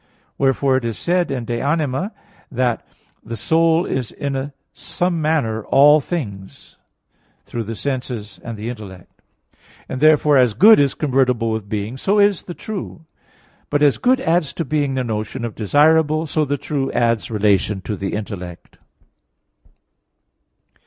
Wherefore it is said in De Anima iii that "the soul is in some manner all things," through the senses and the intellect. And therefore, as good is convertible with being, so is the true. But as good adds to being the notion of desirable, so the true adds relation to the intellect.